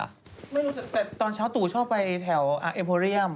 ไม่รู้แต่ตอนเช้าตู่ชอบไปแถวเอมโพเรียม